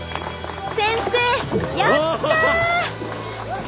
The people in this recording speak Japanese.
先生やった！